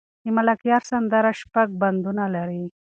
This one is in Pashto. د ملکیار سندره شپږ بندونه لري.